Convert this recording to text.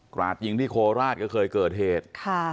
ราดยิงที่โคราชก็เคยเกิดเหตุ